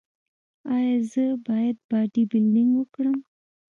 ایا زه باید باډي بلډینګ وکړم؟